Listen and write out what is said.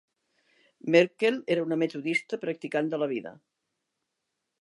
Merkel era un metodista practicant de la vida.